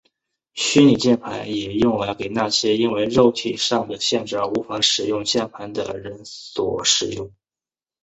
虚拟键盘也用来给那些因为肉体上的限制而无法使用键盘的人所使用。